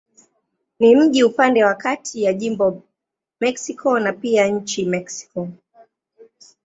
Ni mji upande wa kati ya jimbo Mexico na pia nchi Mexiko.